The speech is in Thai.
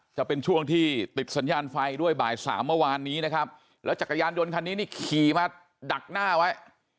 จะเป็นช่วงที่ติดสัญญาณไฟด้วยบ่ายสามเมื่อวานนี้นะครับแล้วจักรยานยนต์คันนี้นี่ขี่มาดักหน้าไว้